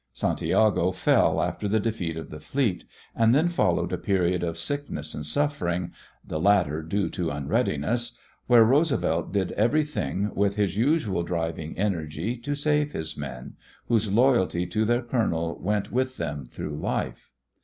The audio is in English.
Santiago fell after the defeat of the fleet, and then followed a period of sickness and suffering the latter due to unreadiness where Roosevelt did everything with his usual driving energy to save his men, whose loyalty to their colonel went with them through life.